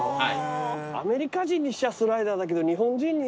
アメリカ人にしちゃスライダーだけど日本人に。